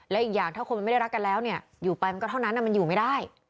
และอีกอย่างถ้าคนมันไม่ได้รักกันแล้วเนี่ยอยู่ไปมันก็เท่านั้นมันอยู่ไม่ได้